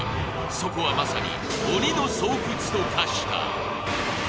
そこはまさに鬼の巣窟と化した！